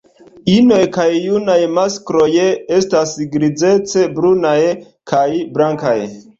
Inoj kaj junaj maskloj estas grizec-brunaj kaj blankaj.